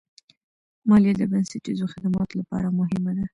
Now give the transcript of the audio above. مالیه د بنسټیزو خدماتو لپاره مهمه ده.